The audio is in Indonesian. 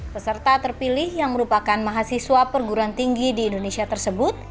peserta terpilih yang merupakan mahasiswa perguruan tinggi di indonesia tersebut